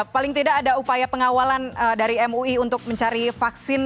paling tidak ada upaya pengawalan dari mui untuk mencari vaksin